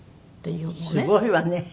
すごいわね。